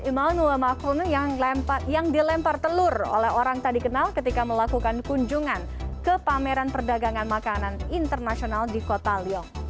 emmanuel macron yang dilempar telur oleh orang tadi kenal ketika melakukan kunjungan ke pameran perdagangan makanan internasional di kota leong